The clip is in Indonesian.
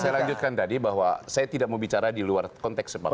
saya lanjutkan tadi bahwa saya tidak mau bicara di luar konteks sepak bola